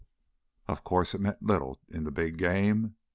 Of course, it meant little in the big game.